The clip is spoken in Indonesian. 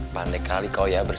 pantai kali kau yang ngerti